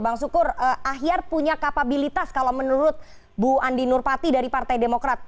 bang sukur ahyar punya kapabilitas kalau menurut bu andi nurpati dari partai demokrat